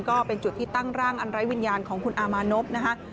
ก็เป็นจุดที่ตั้งร่างอันไร้วิญญาณของคุณอามานพนะคะ